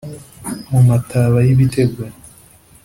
Mu mataba y'ibitego